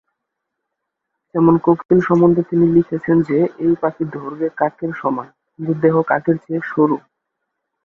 যেমন কোকিল সম্বন্ধে তিনি লিখেছেন যে এই পাখি দৈর্ঘ্যে কাকের সমান, কিন্তু দেহ কাকের চেয়ে সরু।